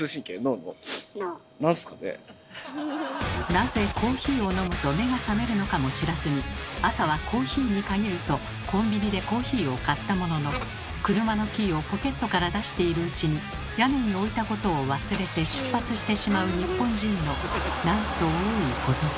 なぜコーヒーを飲むと目が覚めるのかも知らずに「朝はコーヒーに限る」とコンビニでコーヒーを買ったものの車のキーをポケットから出しているうちに屋根に置いたことを忘れて出発してしまう日本人のなんと多いことか。